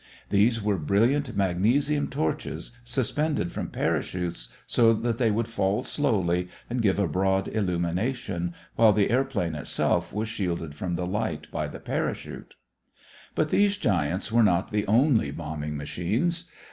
These were brilliant magnesium torches suspended from parachutes so that they would fall slowly and give a broad illumination, while the airplane itself was shielded from the light by the parachute. But these giants were not the only bombing machines.